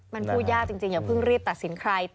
มันพูดยากจริงอย่าเพิ่งรีบตัดสินใคร